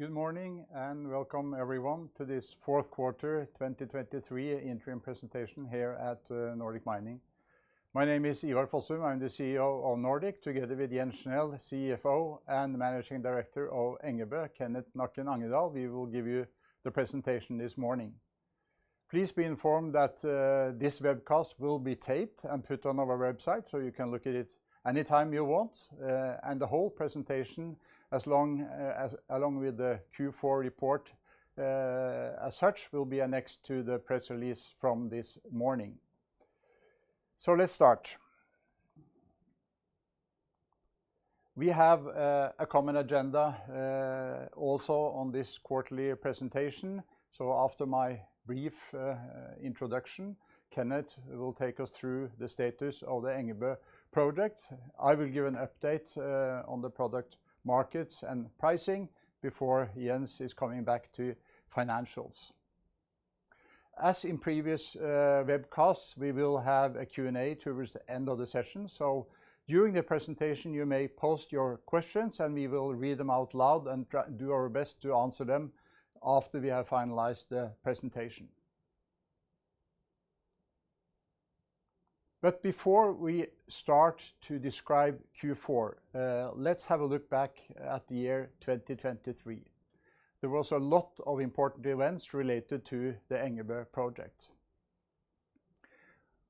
Good morning, and welcome, everyone, to this Q4 2023 Interim Presentation here at Nordic Mining. My name is Ivar Fossum. I'm the CEO of Nordic, together with Jens Schnelle, CFO and Managing Director of Engebø, Kenneth Nakken Angedal. We will give you the presentation this morning. Please be informed that this webcast will be taped and put on our website, so you can look at it anytime you want, and the whole presentation, as long as along with the Q4 report, as such, will be annexed to the press release from this morning. So let's start. We have a common agenda also on this quarterly presentation. So after my brief introduction, Kenneth will take us through the status of the Engebø project. I will give an update on the product markets and pricing before Jens is coming back to financials. As in previous webcasts, we will have a Q&A towards the end of the session. So during the presentation, you may post your questions, and we will read them out loud and try to do our best to answer them after we have finalized the presentation. But before we start to describe Q4, let's have a look back at the year 2023. There was a lot of important events related to the Engebø project.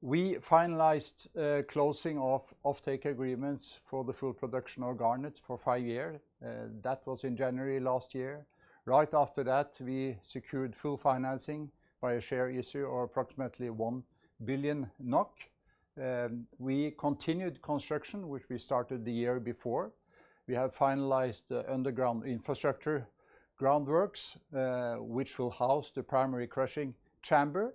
We finalized closing of offtake agreements for the full production of garnet for five years. That was in January last year. Right after that, we secured full financing by a share issue of approximately 1 billion NOK. We continued construction, which we started the year before. We have finalized the underground infrastructure groundworks, which will house the primary crushing chamber.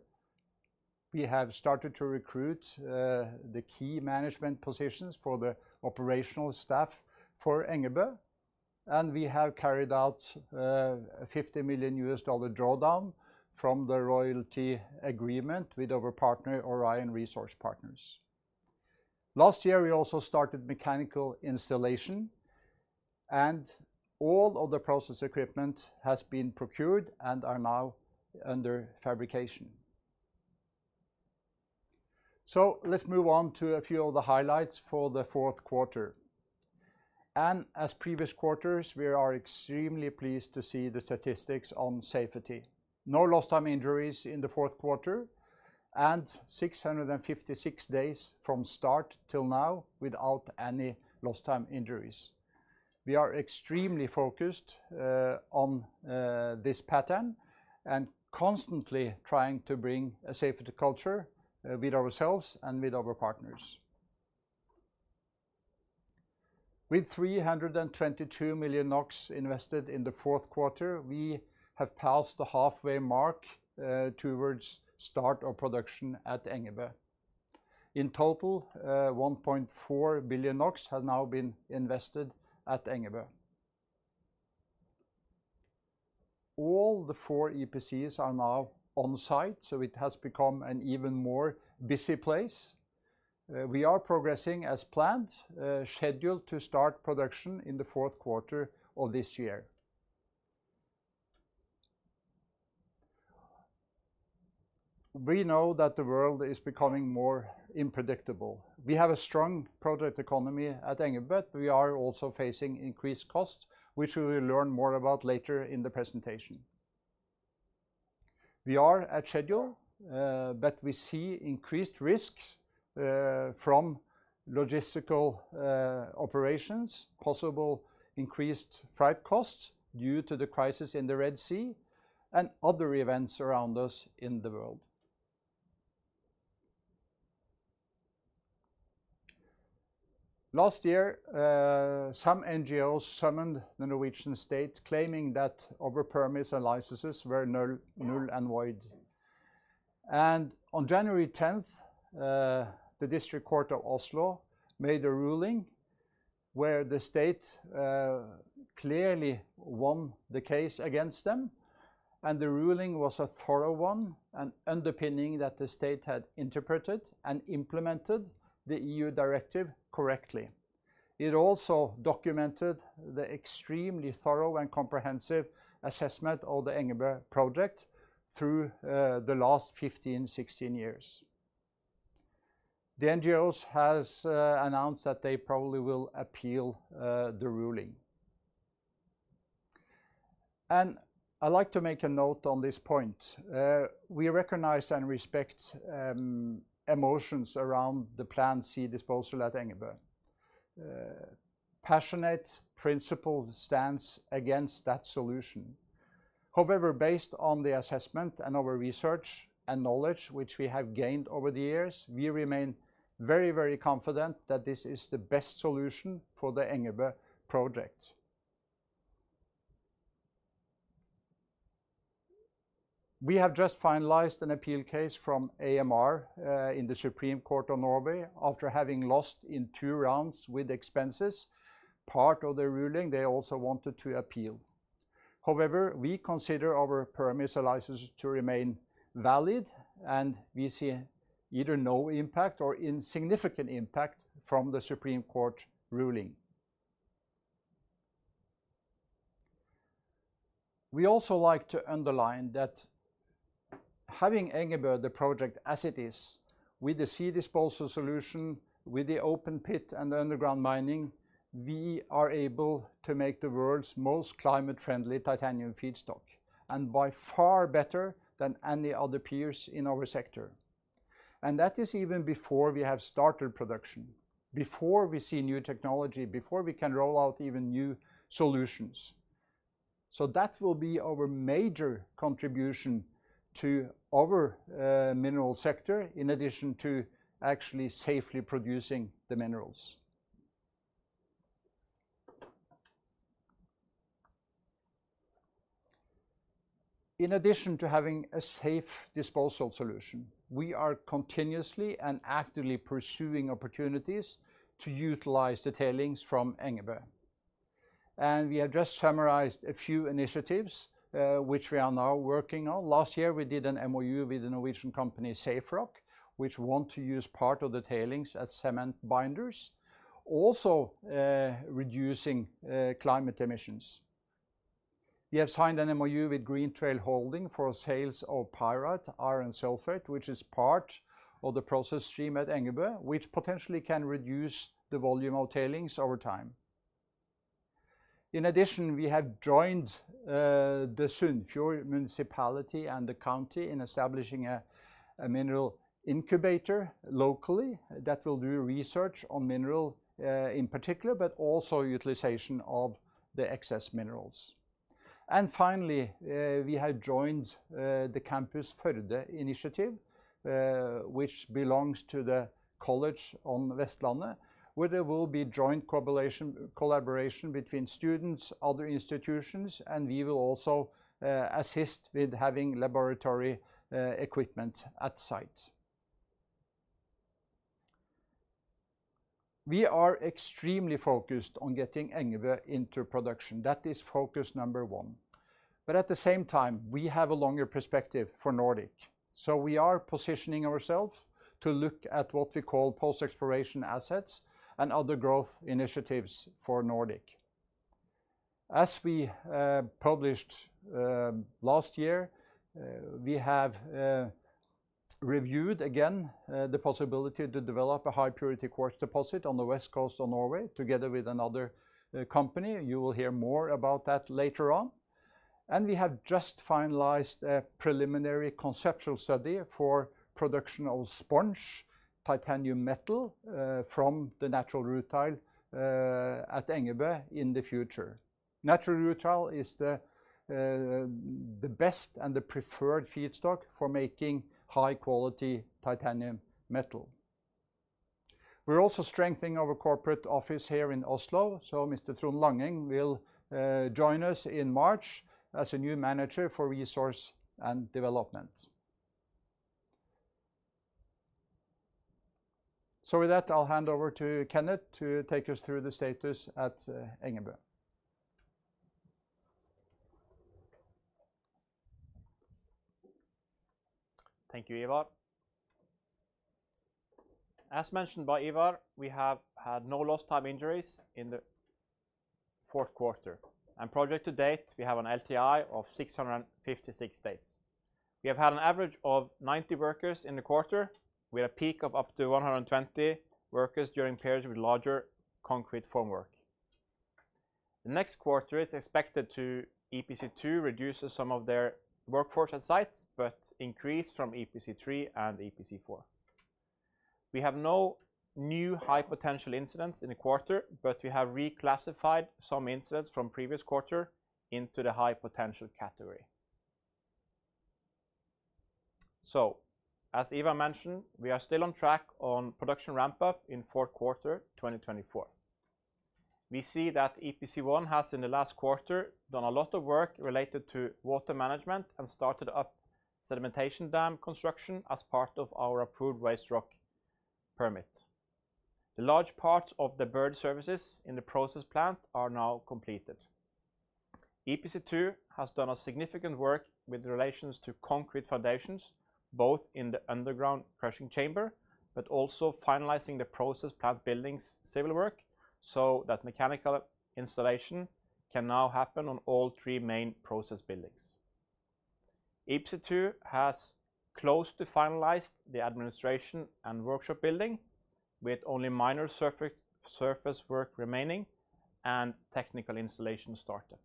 We have started to recruit the key management positions for the operational staff for Engebø, and we have carried out a $50 million drawdown from the royalty agreement with our partner, Orion Resource Partners. Last year, we also started mechanical installation, and all of the process equipment has been procured and are now under fabrication. So let's move on to a few of the highlights for the Q4. And as previous quarters, we are extremely pleased to see the statistics on safety. No lost time injuries in the Q4, and 656 days from start till now without any lost time injuries. We are extremely focused on this pattern and constantly trying to bring a safety culture with ourselves and with our partners. With 322 million NOK invested in the Q4, we have passed the halfway mark towards start of production at Engebø. In total, 1.4 billion NOK have now been invested at Engebø. All the four EPCs are now on site, so it has become an even more busy place. We are progressing as planned, scheduled to start production in the Q4 of this year. We know that the world is becoming more unpredictable. We have a strong project economy at Engebø, but we are also facing increased costs, which we will learn more about later in the presentation. We are at schedule, but we see increased risks from logistical operations, possible increased freight costs due to the crisis in the Red Sea, and other events around us in the world. Last year, some NGOs summoned the Norwegian state, claiming that our permits and licenses were null, null and void. On January tenth, the District Court of Oslo made a ruling where the state clearly won the case against them, and the ruling was a thorough one and underpinning that the state had interpreted and implemented the E.U. directive correctly. It also documented the extremely thorough and comprehensive assessment of the Engebø project through the last 15, 16 years. The NGOs has announced that they probably will appeal the ruling. I'd like to make a note on this point. We recognize and respect emotions around the planned sea disposal at Engebø. Passionate, principled stance against that solution. However, based on the assessment and our research and knowledge, which we have gained over the years, we remain very, very confident that this is the best solution for the Engebø project. We have just finalized an appeal case from AMR in the Supreme Court of Norway, after having lost in two rounds with expenses. Part of the ruling, they also wanted to appeal. However, we consider our permits and licenses to remain valid, and we see either no impact or insignificant impact from the Supreme Court ruling. We also like to underline that having Engebø, the project as it is, with the sea disposal solution, with the open pit and the underground mining, we are able to make the world's most climate-friendly titanium feedstock, and by far better than any other peers in our sector. That is even before we have started production, before we see new technology, before we can roll out even new solutions. So that will be our major contribution to our mineral sector, in addition to actually safely producing the minerals. In addition to having a safe disposal solution, we are continuously and actively pursuing opportunities to utilize the tailings from Engebø. We have just summarized a few initiatives, which we are now working on. Last year, we did an MoU with the Norwegian company Saferock, which want to use part of the tailings as cement binders, also reducing climate emissions. We have signed an MoU with Green Trail Holding for sales of pyrite, iron sulfate, which is part of the process stream at Engebø, which potentially can reduce the volume of tailings over time. In addition, we have joined the Sunnfjord Municipality and the county in establishing a mineral incubator locally that will do research on mineral, in particular, but also utilization of the excess minerals. And finally, we have joined the Campus Førde initiative, which belongs to the College on Vestlandet, where there will be joint collaboration between students, other institutions, and we will also assist with having laboratory equipment at site. We are extremely focused on getting Engebø into production. That is focus number one. But at the same time, we have a longer perspective for Nordic, so we are positioning ourselves to look at what we call post-exploration assets and other growth initiatives for Nordic. As we published last year, we have reviewed again the possibility to develop a high-purity quartz deposit on the west coast of Norway, together with another company. You will hear more about that later on. We have just finalized a preliminary conceptual study for production of sponge titanium metal from the natural rutile at Engebø in the future. Natural rutile is the best and the preferred feedstock for making high-quality titanium metal. We're also strengthening our corporate office here in Oslo, so Mr. Trond Langeng will join us in March as a new manager for Resource and Development. With that, I'll hand over to Kenneth to take us through the status at Engebø. Thank you, Ivar. As mentioned by Ivar, we have had no lost time injuries in the Q4. Project to date, we have an LTI of 656 days. We have had an average of 90 workers in the quarter, with a peak of up to 120 workers during periods with larger concrete formwork. The next quarter is expected to EPC2 reduces some of their workforce on site, but increase from EPC3 and EPC4. We have no new high-potential incidents in the quarter, but we have reclassified some incidents from previous quarter into the high potential category. As Ivar mentioned, we are still on track on production ramp-up in Q4 2024. We see that EPC1 has, in the last quarter, done a lot of work related to water management and started up sedimentation dam construction as part of our approved waste rock permit. The large part of the buried services in the process plant are now completed. EPC2 has done a significant work with relations to concrete foundations, both in the underground crushing chamber, but also finalizing the process plant buildings' civil work, so that mechanical installation can now happen on all three main process buildings. EPC2 has close to finalized the administration and workshop building, with only minor surface work remaining and technical installation started.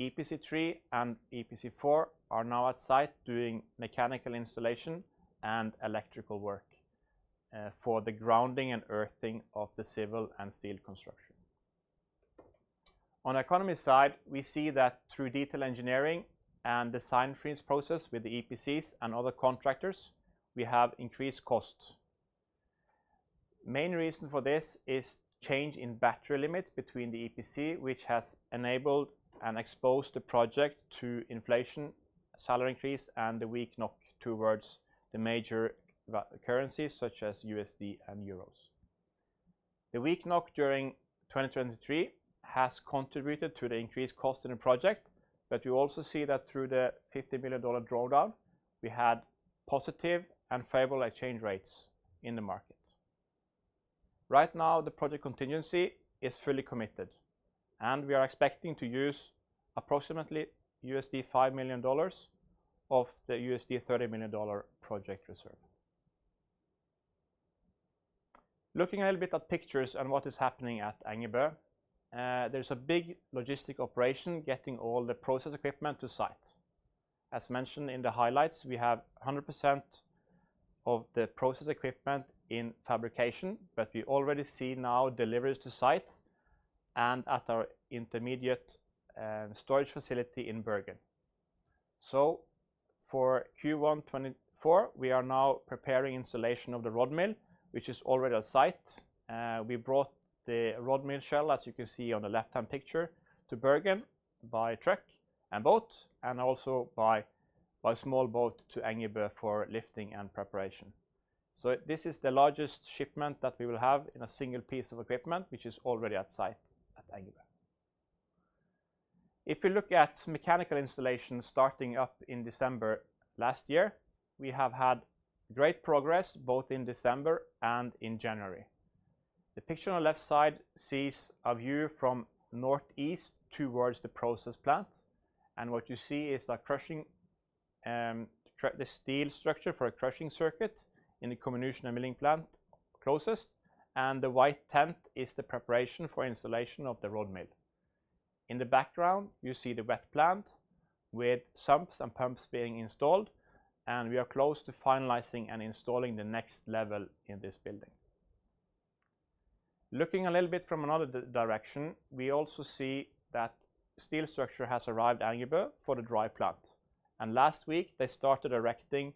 EPC3 and EPC4 are now at site doing mechanical installation and electrical work for the grounding and earthing of the civil and steel construction. On the economy side, we see that through detailed engineering and design freeze process with the EPCs and other contractors, we have increased costs. Main reason for this is change in battery limits between the EPC, which has enabled and exposed the project to inflation, salary increase, and the weak NOK towards the major currencies such as USD and EUR. The weak NOK during 2023 has contributed to the increased cost in the project, but you also see that through the $50 million drawdown, we had positive and favorable exchange rates in the market. Right now, the project contingency is fully committed, and we are expecting to use approximately $5 million of the $30 million project reserve. Looking a little bit at pictures and what is happening at Engebø, there's a big logistic operation getting all the process equipment to site. As mentioned in the highlights, we have 100% of the process equipment in fabrication, but we already see now deliveries to site and at our intermediate storage facility in Bergen. So for Q1 2024, we are now preparing installation of the rod mill, which is already on site. We brought the rod mill shell, as you can see on the left-hand picture, to Bergen by truck and boat, and also by, by small boat to Engebø for lifting and preparation. So this is the largest shipment that we will have in a single piece of equipment, which is already at site at Engebø. If you look at mechanical installation starting up in December last year, we have had great progress, both in December and in January. The picture on the left side sees a view from northeast towards the process plant, and what you see is a crushing, the steel structure for a crushing circuit in the combination of milling plant closest, and the white tent is the preparation for installation of the rod mill. In the background, you see the wet plant with sumps and pumps being installed, and we are close to finalizing and installing the next level in this building. Looking a little bit from another direction, we also see that steel structure has arrived at Engebø for the dry plant, and last week, they started erecting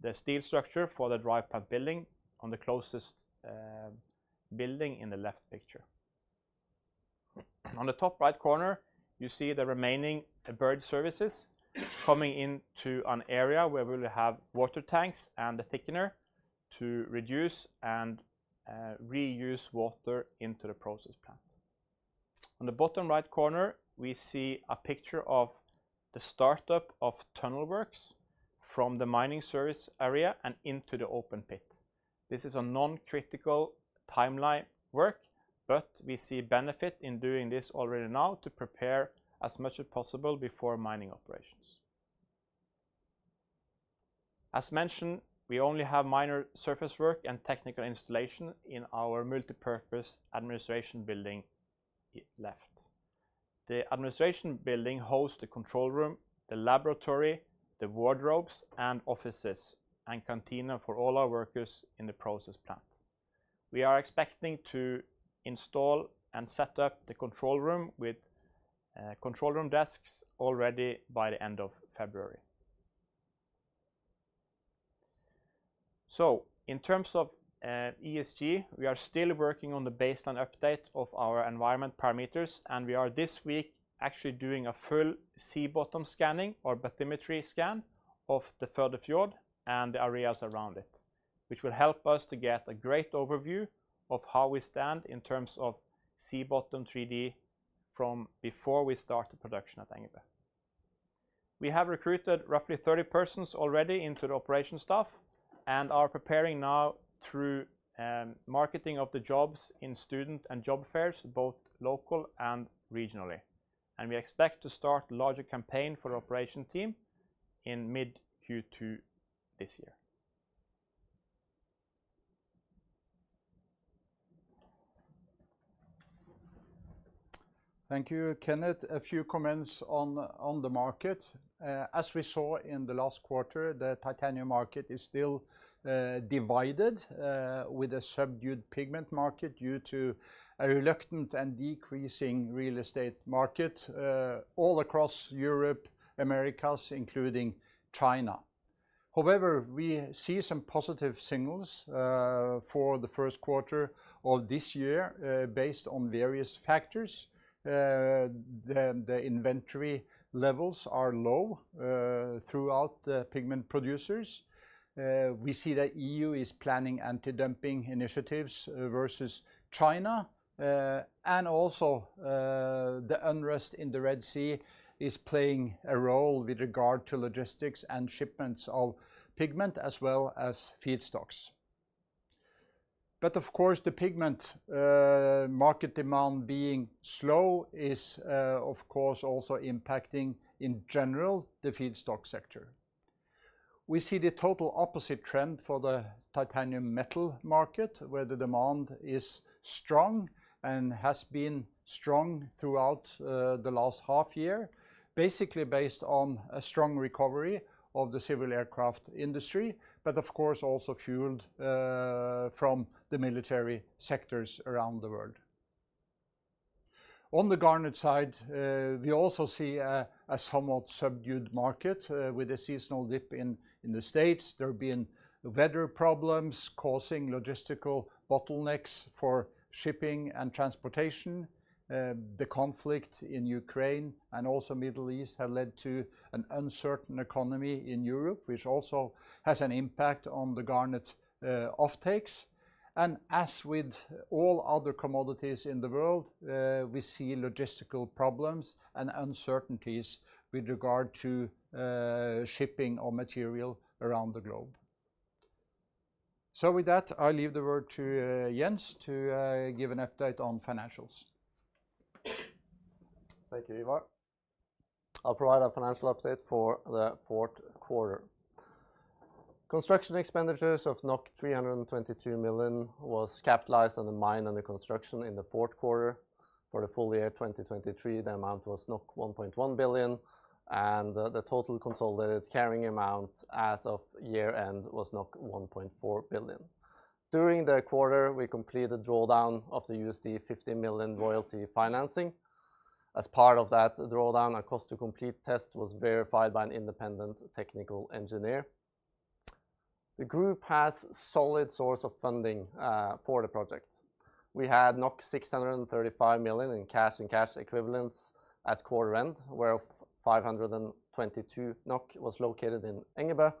the steel structure for the dry plant building on the closest building in the left picture. On the top right corner, you see the remaining buried services coming into an area where we will have water tanks and a thickener to reduce and reuse water into the process plant. On the bottom right corner, we see a picture of the startup of tunnel works from the mining service area and into the open pit. This is a non-critical timeline work, but we see benefit in doing this already now to prepare as much as possible before mining operations. As mentioned, we only have minor surface work and technical installation in our multipurpose administration building, left. The administration building hosts the control room, the laboratory, the wardrobes and offices, and cantina for all our workers in the process plant. We are expecting to install and set up the control room with control room desks already by the end of February. So in terms of ESG, we are still working on the baseline update of our environment parameters, and we are this week actually doing a full sea bottom scanning or bathymetry scan of the Førdefjorden and the areas around it, which will help us to get a great overview of how we stand in terms of sea bottom 3D from before we start the production at Engebø. We have recruited roughly 30 persons already into the operation staff and are preparing now through marketing of the jobs in student and job fairs, both local and regionally. And we expect to start larger campaign for operation team in mid-Q2 this year. Thank you, Kenneth. A few comments on the market. As we saw in the last quarter, the titanium market is still divided with a subdued pigment market due to a reluctant and decreasing real estate market all across Europe, Americas, including China. However, we see some positive signals for the Q1 of this year based on various factors. The inventory levels are low throughout the pigment producers. We see that E.U. is planning anti-dumping initiatives versus China, and also the unrest in the Red Sea is playing a role with regard to logistics and shipments of pigment as well as feedstocks. But of course, the pigment market demand being slow is of course also impacting, in general, the feedstock sector. We see the total opposite trend for the titanium metal market, where the demand is strong and has been strong throughout the last half year, basically based on a strong recovery of the civil aircraft industry, but of course, also fueled from the military sectors around the world. On the garnet side, we also see a somewhat subdued market with a seasonal dip in the States. There have been weather problems causing logistical bottlenecks for shipping and transportation. The conflict in Ukraine and also Middle East have led to an uncertain economy in Europe, which also has an impact on the garnet offtakes. And as with all other commodities in the world, we see logistical problems and uncertainties with regard to shipping of material around the globe. So with that, I leave the word to Jens to give an update on financials. Thank you, Ivar. I'll provide a financial update for the Q4. Construction expenditures of 322 million was capitalized on the mine under construction in the Q4. For the full year 2023, the amount was 1.1 billion, and the total consolidated carrying amount as of year-end was 1.4 billion. During the quarter, we completed drawdown of the $50 million royalty financing. As part of that drawdown, our cost to complete test was verified by an independent technical engineer. The group has solid source of funding for the project. We had 635 million in cash and cash equivalents at quarter end, whereof 522 NOK was located in Engebø.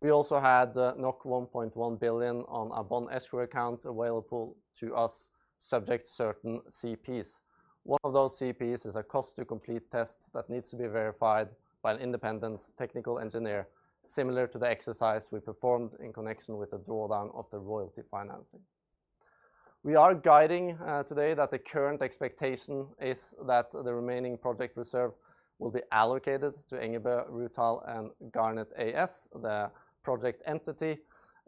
We also had 1.1 billion on a bond escrow account available to us, subject to certain CPs. One of those CPs is a cost to complete test that needs to be verified by an independent technical engineer, similar to the exercise we performed in connection with the drawdown of the royalty financing. We are guiding today that the current expectation is that the remaining project reserve will be allocated to Engebø Rutile and Garnet AS, the project entity,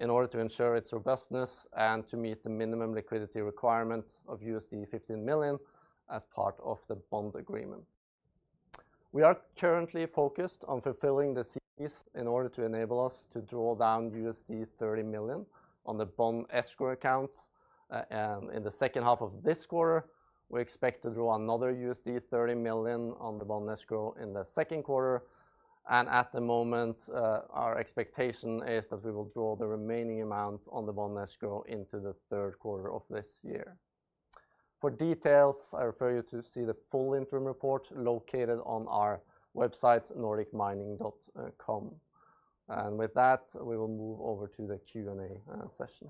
in order to ensure its robustness and to meet the minimum liquidity requirement of $15 million as part of the bond agreement. We are currently focused on fulfilling the CPs in order to enable us to draw down $30 million on the bond escrow account, and in the H2 of this quarter, we expect to draw another $30 million on the bond escrow in the Q2, and at the moment, our expectation is that we will draw the remaining amount on the bond escrow into the Q3 of this year. For details, I refer you to see the full interim report located on our website, nordicmining.com. And with that, we will move over to the Q&A session.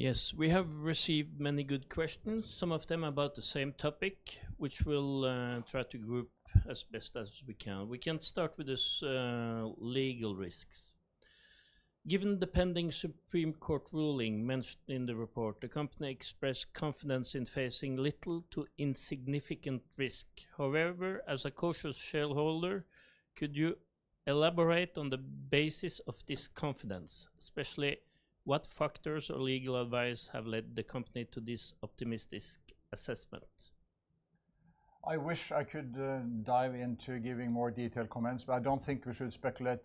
Yes, we have received many good questions, some of them about the same topic, which we'll try to group as best as we can. We can start with this legal risks. Given the pending Supreme Court ruling mentioned in the report, the company expressed confidence in facing little to insignificant risk. However, as a cautious shareholder, could you elaborate on the basis of this confidence, especially what factors or legal advice have led the company to this optimistic assessment? I wish I could dive into giving more detailed comments, but I don't think we should speculate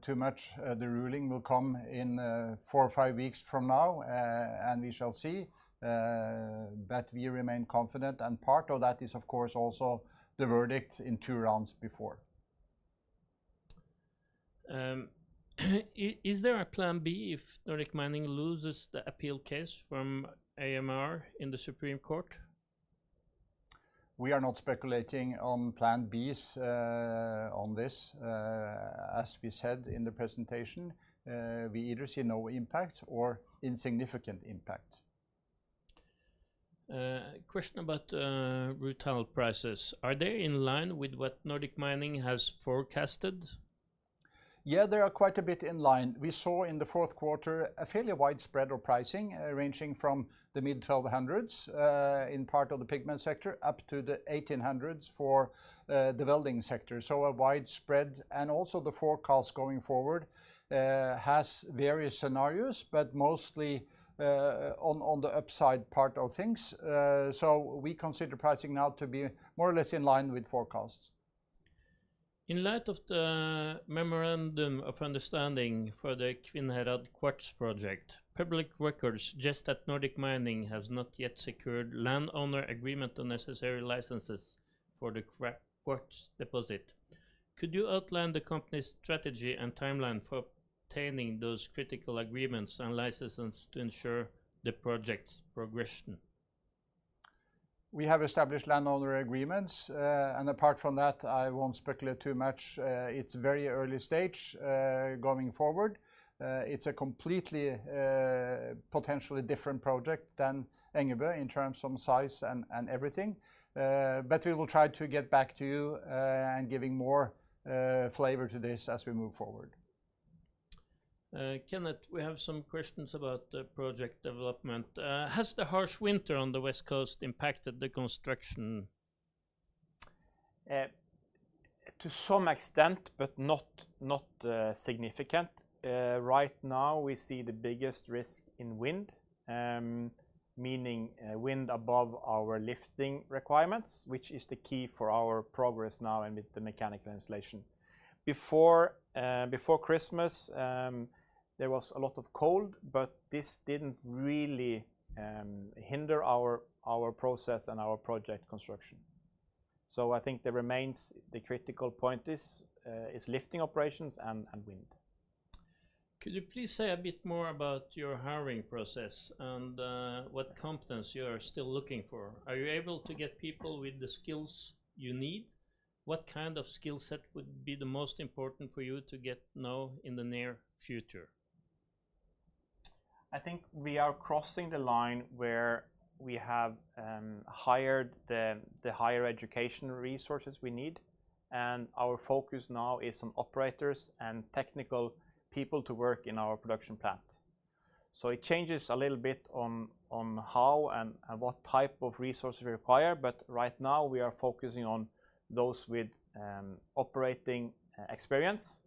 too much. The ruling will come in four or five weeks from now, and we shall see, but we remain confident, and part of that is, of course, also the verdict in two rounds before. Is there a plan B if Nordic Mining loses the appeal case from AMR in the Supreme Court? We are not speculating on plan Bs, on this. As we said in the presentation, we either see no impact or insignificant impact. Question about rutile prices. Are they in line with what Nordic Mining has forecasted? Yeah, they are quite a bit in line. We saw in the Q4 a fairly widespread of pricing, ranging from the mid-1,200s in part of the pigment sector, up to the 1,800s for the welding sector. So a widespread, and also the forecast going forward has various scenarios, but mostly on the upside part of things. So we consider pricing now to be more or less in line with forecasts. In light of the memorandum of understanding for the Kvinnherad Quartz project, public records suggest that Nordic Mining has not yet secured landowner agreement on necessary licenses for the quartz deposit. Could you outline the company's strategy and timeline for obtaining those critical agreements and licenses to ensure the project's progression? We have established landowner agreements, and apart from that, I won't speculate too much. It's very early stage, going forward. It's a completely, potentially different project than Engebø in terms of size and, and everything. But we will try to get back to you, and giving more, flavor to this as we move forward. Kenneth, we have some questions about the project development. Has the harsh winter on the West Coast impacted the construction? To some extent, but not significant. Right now, we see the biggest risk in wind, meaning wind above our lifting requirements, which is the key for our progress now and with the mechanical installation. Before Christmas, there was a lot of cold, but this didn't really hinder our process and our project construction. So I think that remains the critical point is lifting operations and wind.... Could you please say a bit more about your hiring process and what competence you are still looking for? Are you able to get people with the skills you need? What kind of skill set would be the most important for you to get now in the near future? I think we are crossing the line where we have hired the higher education resources we need, and our focus now is on operators and technical people to work in our production plant. So it changes a little bit on how and what type of resources we require, but right now we are focusing on those with operating experience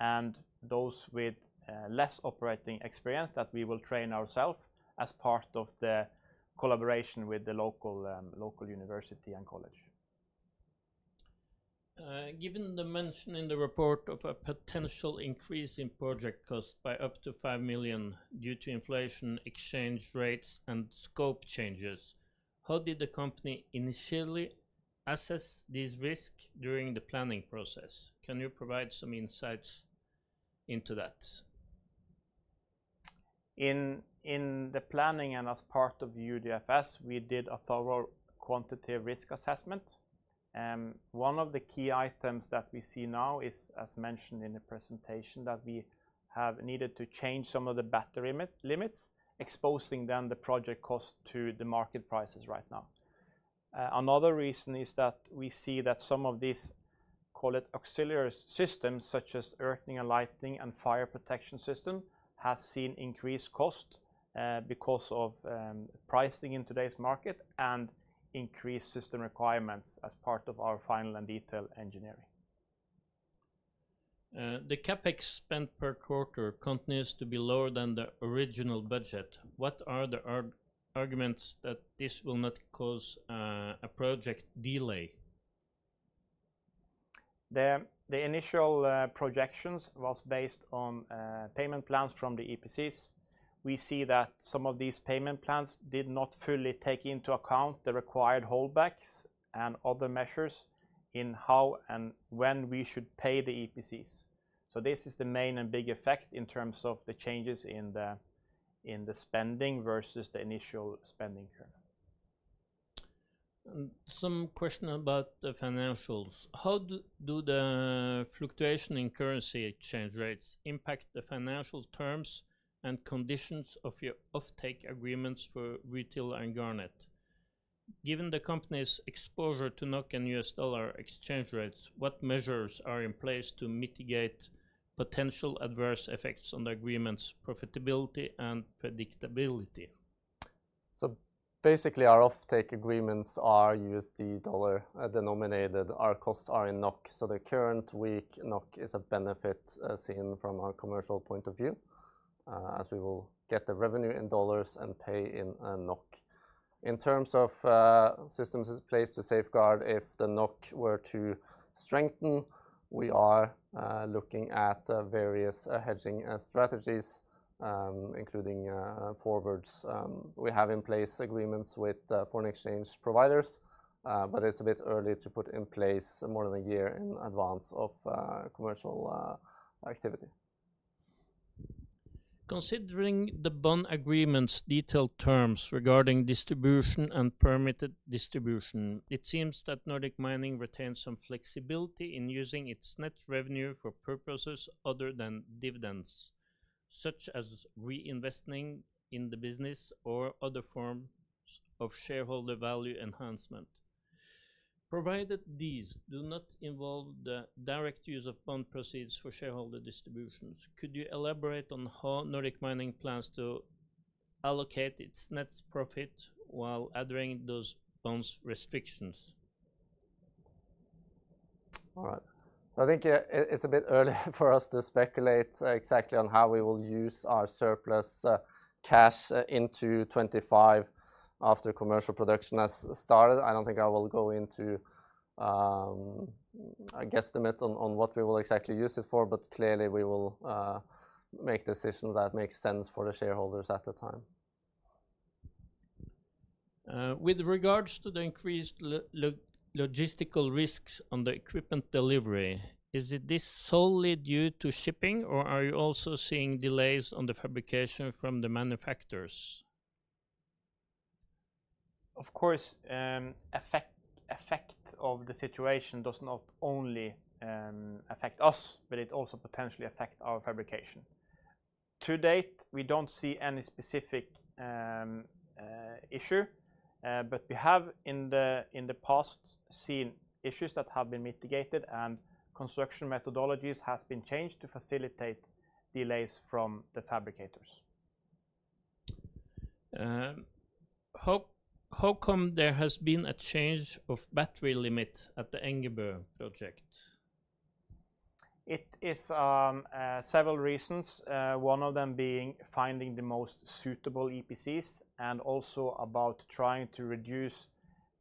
and those with less operating experience that we will train ourselves as part of the collaboration with the local university and college. Given the mention in the report of a potential increase in project cost by up to 5 million due to inflation, exchange rates, and scope changes, how did the company initially assess this risk during the planning process? Can you provide some insights into that? In the planning and as part of UDFS, we did a thorough quantitative risk assessment. One of the key items that we see now is, as mentioned in the presentation, that we have needed to change some of the battery limit, limits, exposing then the project cost to the market prices right now. Another reason is that we see that some of these, call it auxiliary systems, such as earthing and lightning and fire protection system, has seen increased cost, because of, pricing in today's market and increased system requirements as part of our final and detailed engineering. The CapEx spend per quarter continues to be lower than the original budget. What are the arguments that this will not cause a project delay? The initial projections was based on payment plans from the EPCs. We see that some of these payment plans did not fully take into account the required holdbacks and other measures in how and when we should pay the EPCs. So this is the main and big effect in terms of the changes in the spending versus the initial spending curve. Some question about the financials. How do the fluctuation in currency exchange rates impact the financial terms and conditions of your offtake agreements for rutile and Garnet? Given the company's exposure to NOK and USD exchange rates, what measures are in place to mitigate potential adverse effects on the agreement's profitability and predictability? So basically, our offtake agreements are USD denominated. Our costs are in NOK, so the current weak NOK is a benefit, seen from our commercial point of view, as we will get the revenue in dollars and pay in, in NOK. In terms of systems in place to safeguard if the NOK were to strengthen, we are looking at various hedging strategies, including forwards. We have in place agreements with foreign exchange providers, but it's a bit early to put in place more than a year in advance of commercial activity. Considering the bond agreement's detailed terms regarding distribution and permitted distribution, it seems that Nordic Mining retains some flexibility in using its net revenue for purposes other than dividends, such as reinvesting in the business or other forms of shareholder value enhancement. Provided these do not involve the direct use of bond proceeds for shareholder distributions, could you elaborate on how Nordic Mining plans to allocate its net profit while adhering those bonds restrictions? All right. I think it's a bit early for us to speculate exactly on how we will use our surplus cash into 25 after commercial production has started. I don't think I will go into a guesstimate on what we will exactly use it for, but clearly, we will make decisions that make sense for the shareholders at the time. With regards to the increased logistical risks on the equipment delivery, is it this solely due to shipping, or are you also seeing delays on the fabrication from the manufacturers? Of course, effect of the situation does not only affect us, but it also potentially affect our fabrication. To date, we don't see any specific issue, but we have, in the past, seen issues that have been mitigated and construction methodologies has been changed to facilitate delays from the fabricators. How come there has been a change of battery limit at the Engebø project? It is several reasons, one of them being finding the most suitable EPCs and also about trying to reduce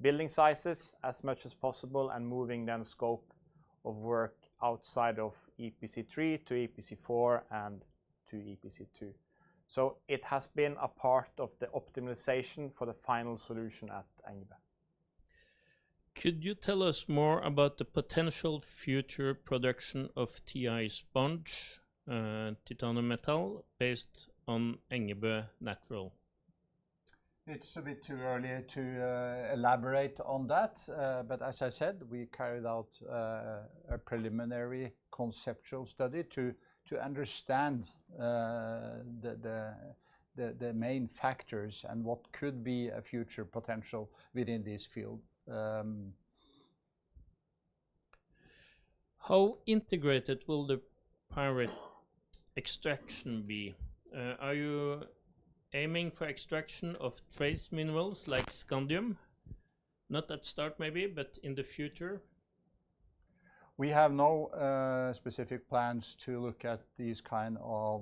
building sizes as much as possible and moving down scope of work outside of EPC3 to EPC4 and to EPC2. So it has been a part of the optimization for the final solution at Engebø.... Could you tell us more about the potential future production of Ti sponge, titanium metal, based on Engebø natural? It's a bit too early to elaborate on that, but as I said, we carried out a preliminary conceptual study to understand the main factors and what could be a future potential within this field. How integrated will the pyrite extraction be? Are you aiming for extraction of trace minerals, like scandium? Not at start, maybe, but in the future. We have no specific plans to look at these kind of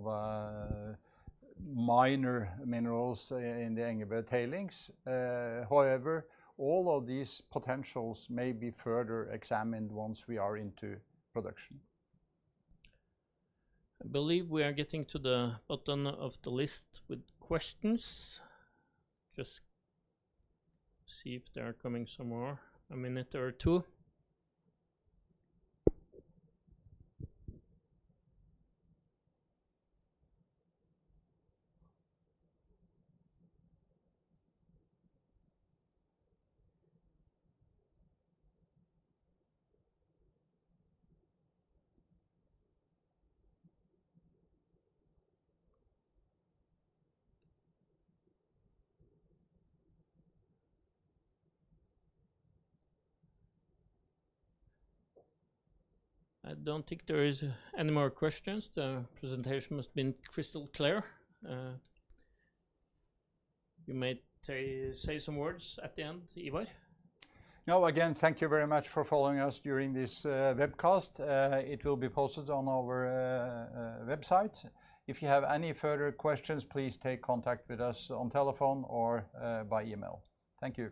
minor minerals in the Engebø tailings. However, all of these potentials may be further examined once we are into production. I believe we are getting to the bottom of the list with questions. Just see if there are coming some more, a minute or two. I don't think there is any more questions. The presentation must been crystal clear. You may say some words at the end, Ivar. Now, again, thank you very much for following us during this webcast. It will be posted on our website. If you have any further questions, please take contact with us on telephone or by email. Thank you.